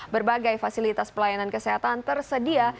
berbagai fasilitas pelayanan kesehatan tersedia